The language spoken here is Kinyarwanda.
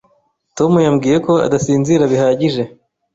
Tom yambwiye ko adasinzira bihagije.